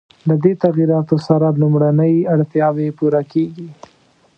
له دې تغییراتو سره لومړنۍ اړتیاوې پوره کېږي.